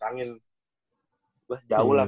angin wah jauh lah